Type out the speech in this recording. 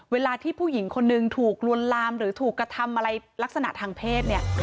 เวลาที่ผู้หญิงคนนึงถูกลวนลามหรือถูกกระทำอะไรลักษณะทางเพศเนี่ย